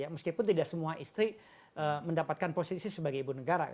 meskipun tidak semua istri mendapatkan posisi sebagai ibu negara